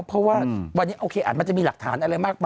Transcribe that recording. เพราะว่าวันนี้โอเคอาจจะมีหลักฐานอะไรมากมาย